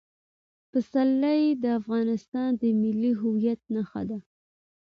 پسرلی د افغانستان د ملي هویت نښه ده.